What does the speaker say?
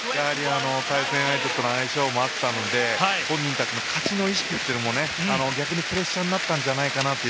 対戦相手との相性もあったので本人たちの勝ちの意識も逆にプレッシャーになったんじゃないかなと。